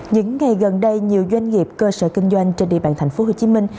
những ngày gần đây nhiều doanh nghiệp cơ sở kinh doanh trên địa bàn thành phố hồ chí minh